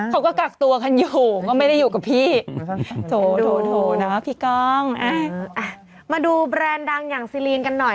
เขาก็กักตัวกันอยู่ก็ไม่ได้อยู่กับพี่โถนะพี่ก้องมาดูแบรนด์ดังอย่างซีรีนกันหน่อย